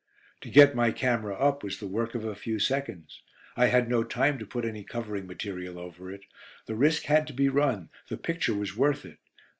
To get my camera up was the work of a few seconds. I had no time to put any covering material over it. The risk had to be run, the picture was worth it.